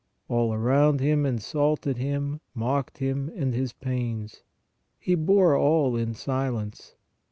All around Him insulted Him, mocked Him and His pains. He bore all in silence.